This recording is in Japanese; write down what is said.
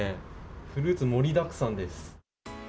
フルーツ盛りだくさんです。